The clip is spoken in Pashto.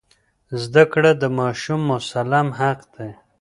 زده کړه د ماشوم مسلم حق دی.